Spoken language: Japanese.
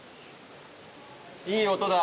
いい音だ。